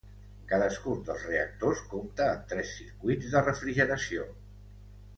Cadascun dels reactors compta amb tres circuits de refrigeració.